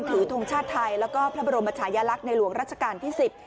ทงชาติไทยแล้วก็พระบรมชายลักษณ์ในหลวงราชการที่สิบ